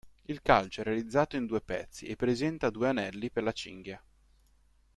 Il calcio è realizzato in due pezzi e presenta due anelli per la cinghia.